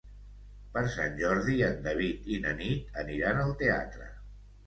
Per Sant Jordi en David i na Nit aniran al teatre.